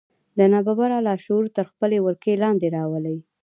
دا ناببره لاشعور تر خپلې ولکې لاندې راولي